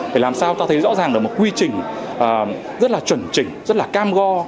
để làm sao ta thấy rõ ràng là một quy trình rất là chuẩn trình rất là cam go